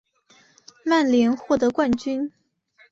曼联获得冠军。